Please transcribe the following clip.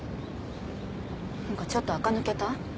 何かちょっとあか抜けた？